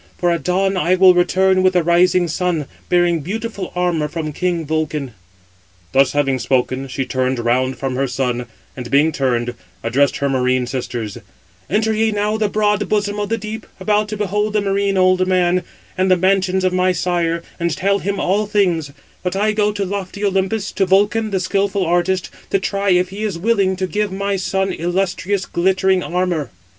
For at dawn I will return with the rising sun, bearing beautiful armour from king Vulcan." Thus having spoken, she turned round from her son, and being turned, addressed her marine sisters: "Enter ye now the broad bosom of the deep, about to behold the marine old man, and the mansions of my sire, and tell him all things; but I go to lofty Olympus, to Vulcan, the skilful artist, to try if he is willing to give my son illustrious, glittering armour."